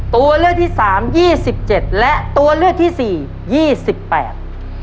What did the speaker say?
ตัวเลือกที่สามยี่สิบเจ็ดและตัวเลือกที่สี่ยี่สิบแปด